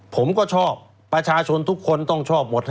ผมก็ชอบประชาชนทุกคนต้องชอบหมด